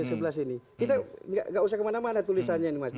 kita tidak usah kemana mana tulisannya